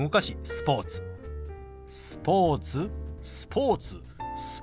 「スポーツ」「スポーツ」「スポーツ」。